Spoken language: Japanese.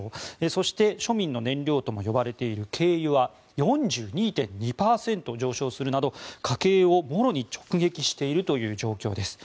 そして、庶民の燃料とも呼ばれている軽油は４２．２％上昇するなど家計をもろに直撃しているという状況です。